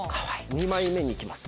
２枚目に行きます